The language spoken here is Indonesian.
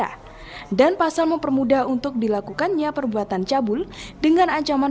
selanjutnya tersangka akan dijerat pasal perdagangan